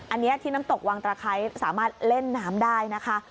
อันนี้ที่น้ำตกวังตะไคร้สามารถเล่นน้ำได้นะคะ